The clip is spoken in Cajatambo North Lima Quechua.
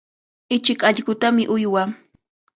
Ichik allqutami uywaa.